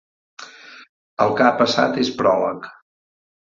El que ha passat és pròleg